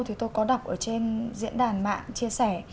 thì tôi có đọc ở trên diễn đàn mạng chia sẻ